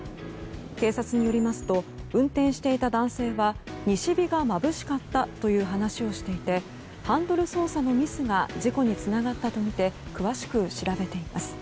警察によりますと運転していた男性は西日がまぶしかったという話をしていてハンドル操作のミスが事故につながったとみて詳しく調べています。